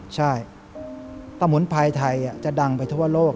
ใช่ตะหมุนภัยไทยจะดังไปทั่วโลก